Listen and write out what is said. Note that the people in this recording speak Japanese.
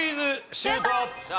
シュート！